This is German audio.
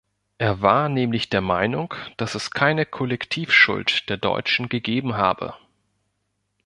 Er war nämlich der Meinung, dass es keine Kollektivschuld der Deutschen gegeben habe.